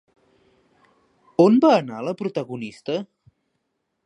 On va anar la protagonista?